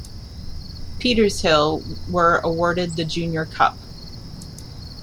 Petershill were awarded the Junior Cup.